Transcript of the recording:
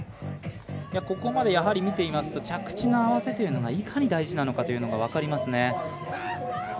ここまで、見ていますと着地を合わせているのがいかに大事なのかと分かりますね。